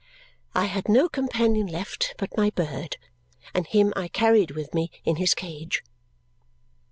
I had no companion left but my bird, and him I carried with me in his cage.